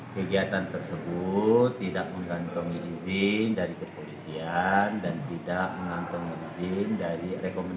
kegiatan tersebut tidak mengantongi izin dari kepolisian